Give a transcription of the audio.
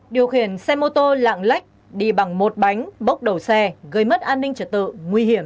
điều khiển xe mô tô lạng lách đi bằng một bánh bốc đầu xe gây mất an ninh trở tự